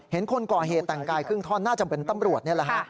คนก่อเหตุแต่งกายครึ่งท่อนน่าจะเหมือนตำรวจนี่แหละฮะ